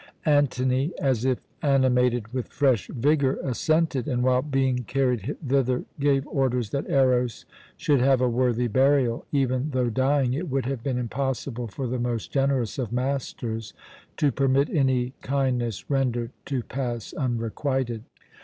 Antony, as if animated with fresh vigour, assented, and while being carried thither gave orders that Eros should have a worthy burial. Even though dying, it would have been impossible for the most generous of masters to permit any kindness rendered to pass unrequited.